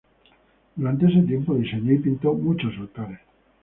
Durante este tiempo diseñó y pintó muchos altares.